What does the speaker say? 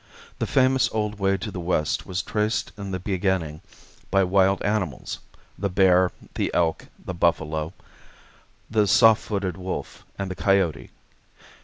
This famous old way to the West was traced in the beginning by wild animals the bear, the elk, the buffalo, the soft footed wolf, and the coyote.